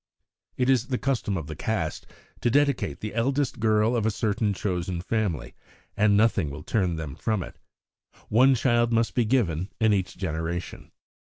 "It is the custom of the Caste to dedicate the eldest girl of a certain chosen family, and nothing will turn them from it. One child must be given in each generation."